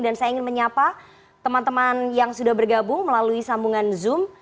saya ingin menyapa teman teman yang sudah bergabung melalui sambungan zoom